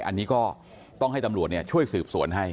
อันนี้ก็ต้องให้ตำรวจช่วยสืบสวนให้